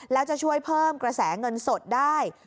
แล้วจะช่วยเพิ่มกระแสเงินสดได้